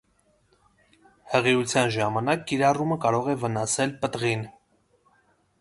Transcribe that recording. Հղիության ժամանակ կիրառումը կարող է վնասել պտղին։